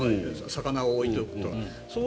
魚を置いておくとか。